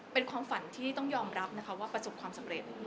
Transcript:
เป็นความฝันที่ต้องยอมรับนะคะว่าประสบความสำเร็จ